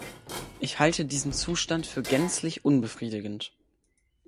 Ich halte diesen Zustand für gänzlich unbefriedigend.